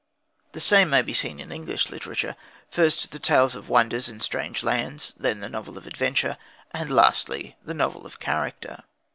The same may be seen in English literature first the tales of wonders and strange lands, then the novel of adventure, and lastly the novel of character.